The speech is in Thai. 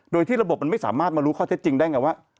โดยที่ระบบมันไม่สามารถมารู้ข้อเท็จจริงได้ไงว่า